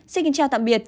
xin kính chào tạm biệt